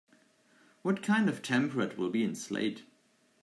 What kind of temperate will be in Slade?